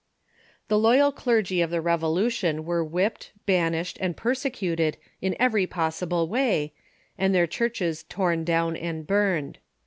The loyal clergy of the Revolution were whipped, banished, and persecuted in every possible way, and their churches torn down and burned.